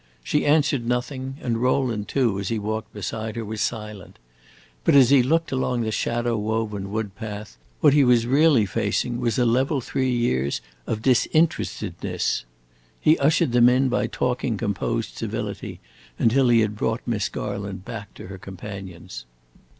She answered nothing, and Rowland too, as he walked beside her, was silent; but as he looked along the shadow woven wood path, what he was really facing was a level three years of disinterestedness. He ushered them in by talking composed civility until he had brought Miss Garland back to her companions.